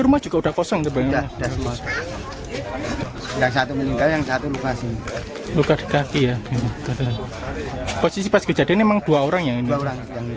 memang dua orang yang ini